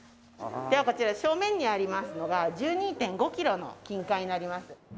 ではこちら正面にありますのが１２．５キロの金塊になります。